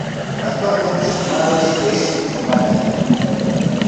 Actualmente su madre es su mánager.